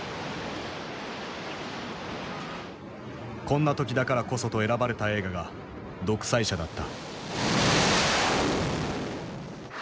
こんな時だからこそと選ばれた映画が「独裁者」だった。